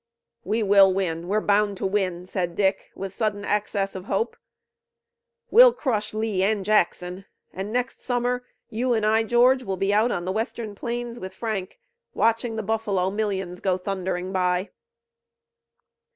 "We will win! We're bound to win!" said Dick, with sudden access of hope. "We'll crush Lee and Jackson, and next summer you and I, George, will be out on the western plains with Frank, watching the buffalo millions go thundering by!"